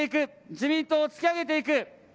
自民党を突き上げていく。